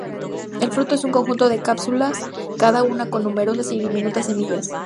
El fruto es un conjunto de cápsulas, cada una con numerosas y diminutas semillas.